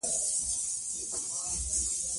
له ټولو اوصافو برخمنې دي.